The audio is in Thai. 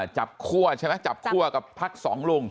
คั่วใช่ไหมจับคั่วกับพักสองลุง